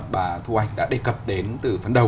bà thu anh đã đề cập đến từ phần đầu